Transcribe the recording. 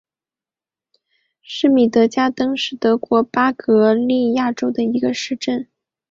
施米德加登是德国巴伐利亚州的一个市镇。